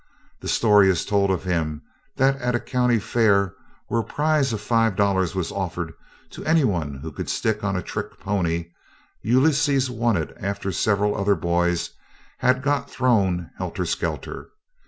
The story is told of him that at a county fair, where a prize of five dollars was offered to any one who could stick on a trick pony, Ulysses won it after several other boys had got thrown helter skelter.